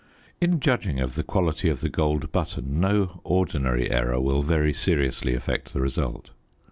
In judging of the quality of the gold button, no ordinary error will very seriously affect the result.